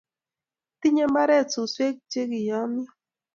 Tinyei mbaret suswek che kiyomyo